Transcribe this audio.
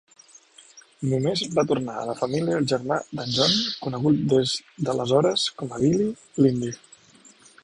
Només va tornar a la família el germà d'en John, conegut des d'aleshores com a "Billy l'indi".